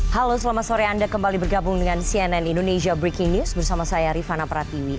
halo selamat sore anda kembali bergabung dengan cnn indonesia breaking news bersama saya rifana pratiwi